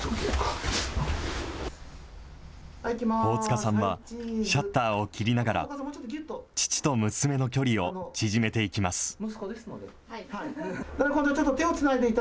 大塚さんは、シャッターを切りながら、父と娘の距離を縮めていきます。